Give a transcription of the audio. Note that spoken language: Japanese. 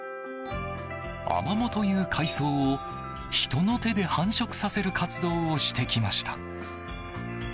アマモという海草を人の手で繁殖させる活動をしてきました。